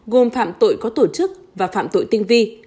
gồm phạm tội có tổ chức và phạm tội tinh vi